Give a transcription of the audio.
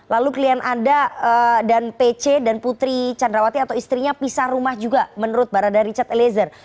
lalu klien anda dan pc dan putri candrawati atau istrinya pisah rumah juga menurut barada richard eliezer